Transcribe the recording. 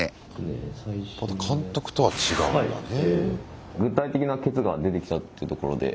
また監督とは違うんだね。